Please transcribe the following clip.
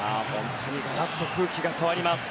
ガラッと空気が変わります。